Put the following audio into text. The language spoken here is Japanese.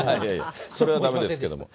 それはだめですけども。